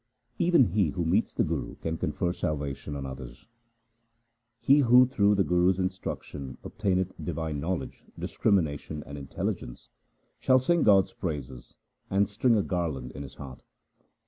Even he who meets the Guru can confer salvation on others :— He who through the Guru's instruction obtaineth divine knowledge, discrimination, and intelligence, Shall sing God's praises and string a garland in his heart.